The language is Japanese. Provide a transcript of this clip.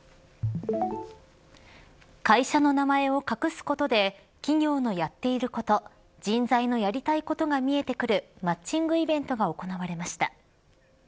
会社の名前を隠すことで企業のやっていること人材のやりたいことが見えてくるマッチングイベントが行われました。